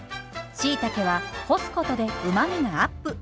しいたけは干すことでうまみがアップ。